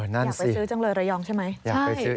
นั่นสิอยากไปซื้อจังเลยระยองใช่ไหมใช่อยากไปซื้อ